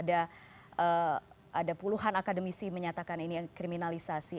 ada puluhan akademisi menyatakan ini kriminalisasi